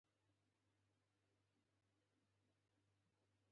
احمد زما کار هم را خرېړی کړ.